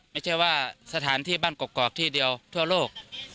ไม่ใช่ว่าสถานที่บ้านกกอกที่เดียวทั่วโลก